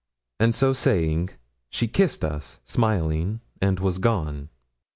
And so saying, she kissed us, smiling, and was gone.